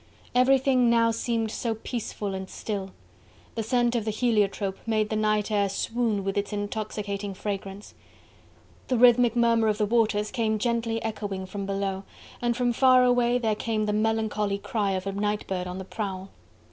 Everything now seemed so peaceful and still; the scent of the heliotrope made the midnight air swoon with its intoxicating fragrance: the rhythmic murmur of the waters came gently echoing from below, and from far away there came the melancholy cry of a night bird on the prowl.